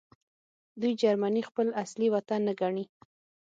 دوی جرمني خپل اصلي وطن نه ګڼي